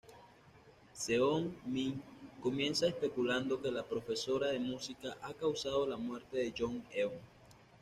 Seon-min comienza especulando que la profesora de música ha causado la muerte de Young-eon.